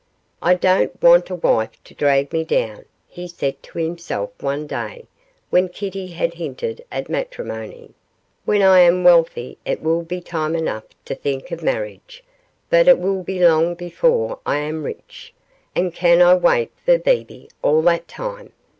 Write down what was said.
'I don't want a wife to drag me back,' he said to himself one day when Kitty had hinted at matrimony; 'when I am wealthy it will be time enough to think of marriage, but it will be long before I am rich, and can I wait for Bebe all that time?